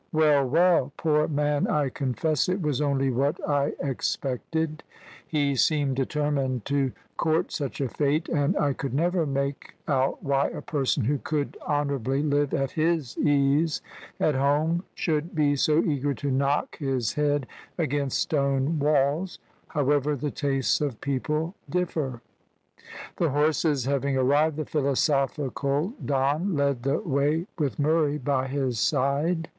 Well! well! poor man, I confess it was only what I expected, he seemed determined to court such a fate; and I could never make out why a person who could honourably live at his ease at home should be so eager to knock his head against stone walls however, the tastes of people differ." The horses having arrived, the philosophical Don led the way, with Murray by his side.